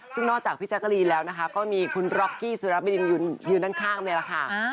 ซึ่งนอกจากพี่แจ๊กกะลีนแล้วนะคะก็มีคุณร็อกกี้สุรบดินยืนด้านข้างนี่แหละค่ะ